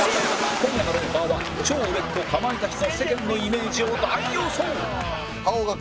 今夜の『ロンハー』は超売れっ子かまいたちの世間のイメージを大予想！